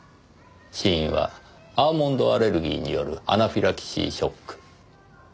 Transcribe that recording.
死因はアーモンドアレルギーによるアナフィラキシーショック。